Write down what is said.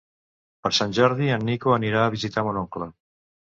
Per Sant Jordi en Nico anirà a visitar mon oncle.